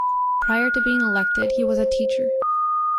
Prior to being elected he was a teacher.